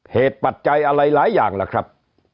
ปัจจัยอะไรหลายอย่างล่ะครับ